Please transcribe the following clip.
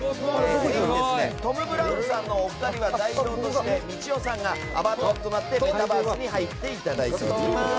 ぜひ、トム・ブラウンさんのお二人は代表としてみちおさんがアバターとなってメタバースに入っております。